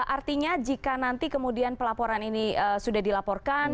artinya jika nanti kemudian pelaporan ini sudah dilaporkan